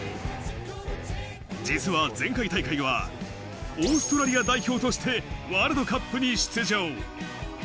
実は前回大会はオーストラリア代表としてワールドカップに出場。